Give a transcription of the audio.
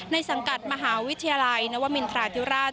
สังกัดมหาวิทยาลัยนวมินทราธิราช